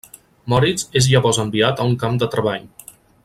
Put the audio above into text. Moritz és llavors enviat a un camp de treball.